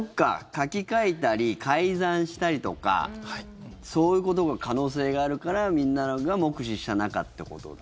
書き換えたり改ざんしたりとかそういうことの可能性があるからみんなが目視した中ってことだ。